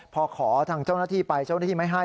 พอขอทางเจ้าหน้าที่ไปเจ้าหน้าที่ไม่ให้